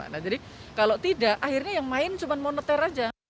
nah jadi kalau tidak akhirnya yang main cuma moneter aja